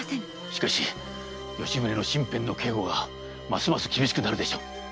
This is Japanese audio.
しかし吉宗の身辺の警護はますます厳しくなるでしょう。